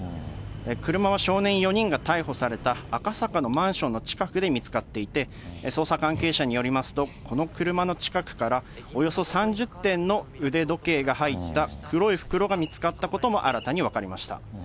車は少年４人が逮捕された赤坂のマンションの近くで見つかっていて、捜査関係者によりますと、この車の近くから、およそ３０点の腕時計が入った黒い袋が見つかったことも新たに分かりました。